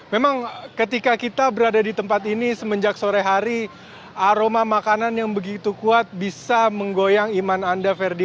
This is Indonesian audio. memang ketika kita berada di tempat ini semenjak sore hari aroma makanan yang begitu kuat bisa menggoyang iman anda verdi